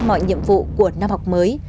mọi nhiệm vụ của năm học mới